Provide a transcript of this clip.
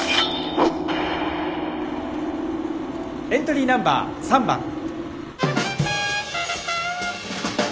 エントリーナンバー３番。